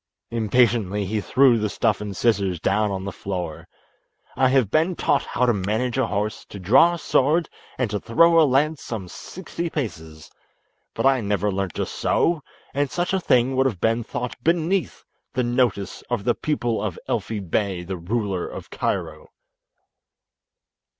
Impatiently he threw the stuff and scissors down on the floor. "I have been taught how to manage a horse, to draw a sword, and to throw a lance some sixty paces, but I never learnt to sew, and such a thing would have been thought beneath the notice of the pupil of Elfi Bey, the ruler of Cairo."